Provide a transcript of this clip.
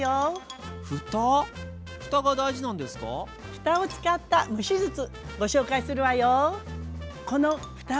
ふたを使った蒸し術ご紹介するわよ。